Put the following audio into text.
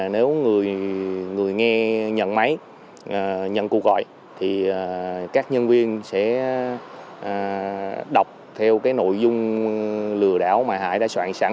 nếu người nghe nhận máy nhận cuộc gọi thì các nhân viên sẽ đọc theo cái nội dung lừa đảo mà hải đã soạn sẵn